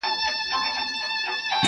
زه لرمه کاسې ډکي د همت او قناعته.